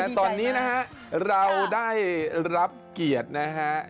แต่ตอนนี้นะครับเราได้รับเกียรตินะครับ